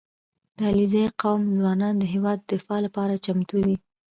• د علیزي قوم ځوانان د هېواد د دفاع لپاره چمتو دي.